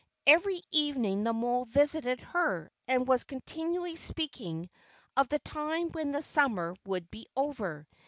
Every evening the mole visited her, and was continually speaking of the time when the Summer would be over.